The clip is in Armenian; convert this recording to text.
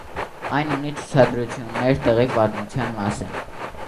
Այն ունի ցուցադրություններ տեղի պատմության մասին։